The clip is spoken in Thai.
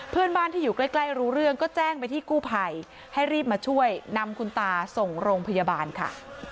เพื่อนบ้านที่อยู่ใกล้รู้เรื่องก็แจ้งไปที่กู้ภัยให้รีบมาช่วยนำคุณตาส่งโรงพยาบาลค่ะ